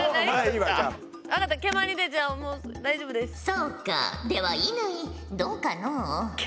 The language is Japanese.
そうかでは乾どうかのう？